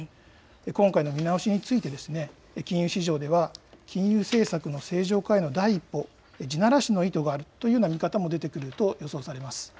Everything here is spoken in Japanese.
今回の見直しについて金融市場では、金融政策の正常化への第一歩、地ならしの意図があるという見方も出てくると予想されます。